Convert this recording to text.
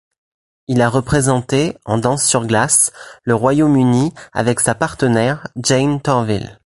Il a représenté, en danse sur glace, le Royaume-Uni avec sa partenaire, Jayne Torvill.